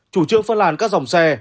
chủ trương phân làn các dòng xe